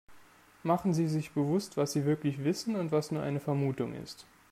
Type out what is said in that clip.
Machen Sie sich bewusst, was sie wirklich wissen und was nur eine Vermutung ist.